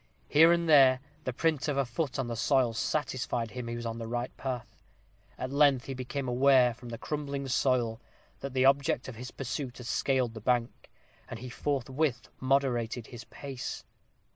Here and there, the print of a foot on the soil satisfied him he was in the right path. At length he became aware, from the crumbling soil, that the object of his pursuit had scaled the bank, and he forthwith moderated his pace.